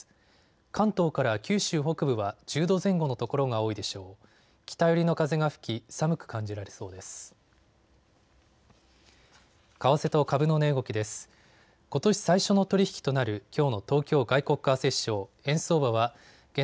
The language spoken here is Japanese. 関東から九州北部は１０度前後の所が多いでしょう。